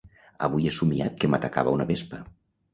Avui he somiat que m'atacava una vespa.